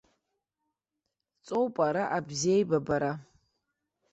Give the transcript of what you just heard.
Ҵоуп, ара абзиеибабара.